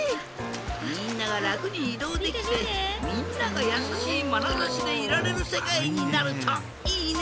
みんながらくにいどうできてみんながやさしいまなざしでいられるせかいになるといいね！